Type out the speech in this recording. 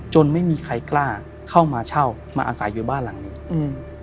ไม่มีใครกล้าเข้ามาเช่ามาอาศัยอยู่บ้านหลังนี้อืม